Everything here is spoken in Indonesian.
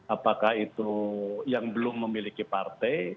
apakah itu yang belum memiliki partai